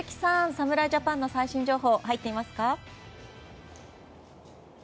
侍ジャパンの最新情報入っていますか？